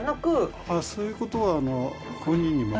そういう事は本人に任せて。